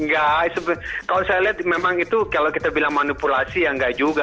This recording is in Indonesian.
enggak kalau saya lihat memang itu kalau kita bilang manipulasi ya nggak juga